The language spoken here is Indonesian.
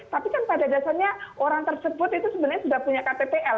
tapi kan pada dasarnya orang tersebut itu sebenarnya sudah punya ktpl